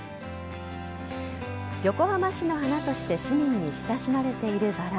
横浜市の花として市民に親しまれているバラ。